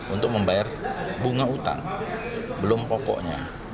untuk membayar bunga utang belum pokoknya